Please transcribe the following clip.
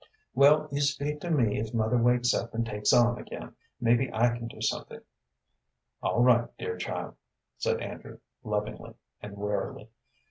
"Well, you speak to me if mother wakes up and takes on again. Maybe I can do something." "All right, dear child," said Andrew, lovingly and wearily.